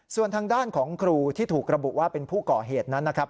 ส่วนทางด้านของครูที่ถูกระบุว่าเป็นผู้ก่อเหตุนั้นนะครับ